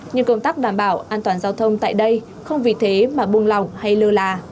nhưng công tác đảm bảo an toàn giao thông tại đây không vì thế mà buông lỏng hay lơ là